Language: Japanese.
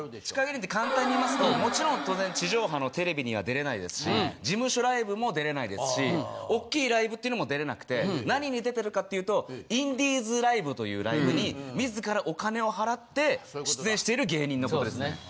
地下芸人って簡単に言いますともちろん当然地上波のテレビには出れないですし事務所ライブも出れないですしおっきいライブってのも出れなくて何に出てるかって言うとインディーズライブというライブに自らお金を払って出演してる芸人のことですね。